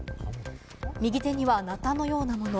右手にはなたのようなもの。